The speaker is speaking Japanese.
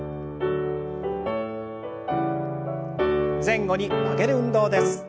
前後に曲げる運動です。